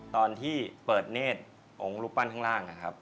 ตอนที่เปิดเนธองค์รูปปั้นข้างล่างนะครับ